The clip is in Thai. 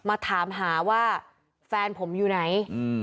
มาถามหาว่าแฟนผมอยู่ไหน